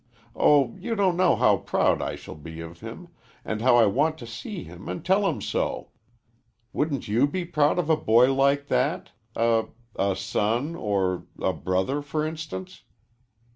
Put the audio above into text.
Oh, you don't know how proud I shall be of him, and how I want to see him and tell him so. Wouldn't you be proud of a boy like that, a a son or a brother, for instance?"